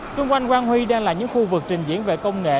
xung quanh quang huy đang là những khu vực trình diễn về công nghệ